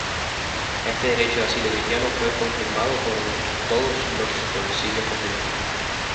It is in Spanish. Este derecho de asilo cristiano fue confirmado por todos los concilios posteriores.